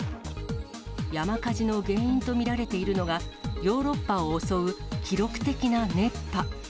山火事の原因と見られているのが、ヨーロッパを襲う記録的な熱波。